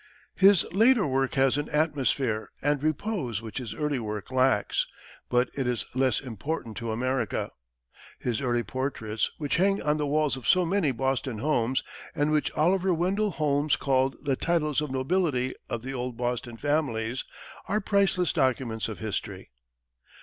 His later work has an atmosphere and repose which his early work lacks, but it is less important to America. His early portraits, which hang on the walls of so many Boston homes, and which Oliver Wendell Holmes called the titles of nobility of the old Boston families, are priceless documents of history.